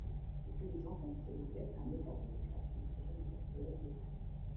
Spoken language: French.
Le paysan confie sa découverte à un notable local, qui prévient des archéologues locaux.